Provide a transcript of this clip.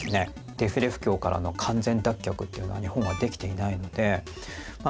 デフレ不況からの完全脱却というのは日本はできていないのでまあ